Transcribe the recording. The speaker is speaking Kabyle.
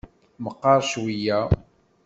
Meqqer cweyya?